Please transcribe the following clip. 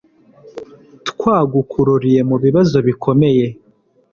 twagukururiye mu bibazo bikomeye